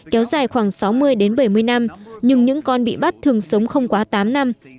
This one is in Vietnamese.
kéo dài khoảng sáu mươi đến bảy mươi năm nhưng những con bị bắt thường sống không quá tám năm